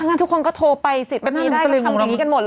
เพราะงั้นทุกคนก็โทรไปสิดประทีได้ก็ทำอย่างนี้กันหมดแล้วสิ